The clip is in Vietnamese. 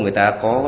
người ta có